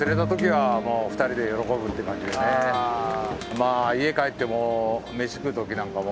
まあ家帰っても飯食う時なんかも。